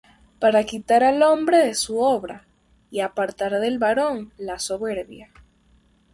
Para quitar al hombre de su obra, Y apartar del varón la soberbia.